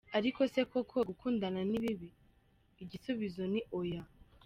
Ariko se koko gukundana ni bibi ? Igisubizo ni oya.